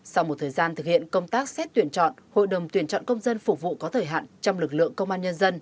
sau một thời gian thực hiện công tác xét tuyển chọn hội đồng tuyển chọn công dân phục vụ có thời hạn trong lực lượng công an nhân dân